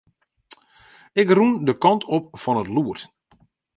Ik rûn de kant op fan it lûd.